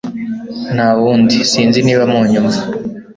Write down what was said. nta wundi, sinzi niba munyumva